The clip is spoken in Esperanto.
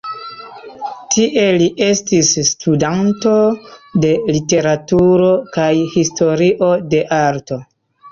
Tie li estis studanto de literaturo kaj historio de arto.